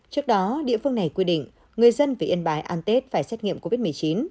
trước đó địa phương này quy định người dân về yên bái ăn tết phải xét nghiệm covid một mươi chín